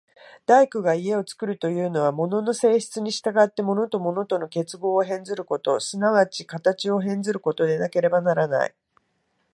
大工が家を造るというのは、物の性質に従って物と物との結合を変ずること、即ち形を変ずることでなければならない。